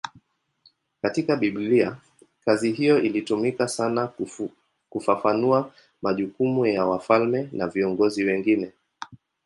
Katika Biblia kazi hiyo ilitumika sana kufafanua majukumu ya wafalme na viongozi wengine.